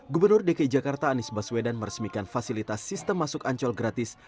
gubernur dki jakarta anies baswedan meresmikan fasilitas sistem masuk ancol gratis